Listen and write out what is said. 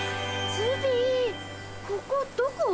ズビーここどこ？